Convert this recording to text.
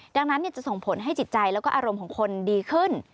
ดังนั้นจะส่งผลให้จิตใจแล้วก็อารมณ์ของคนดีขึ้น